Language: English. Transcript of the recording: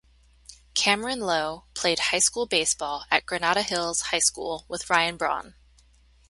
Kameron Loe played high school baseball at Granada Hills High School with Ryan Braun.